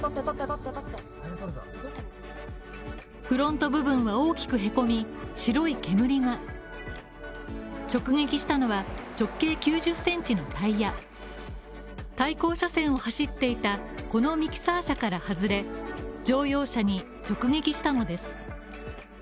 フロント部分が大きくへこみ、白い煙が直撃したのは直径９０センチのタイヤ対向車線を走っていたこのミキサー車から外れ乗用車に直撃したのです。